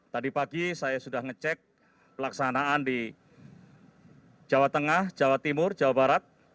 tadi pagi saya sudah ngecek pelaksanaan di jawa tengah jawa timur jawa barat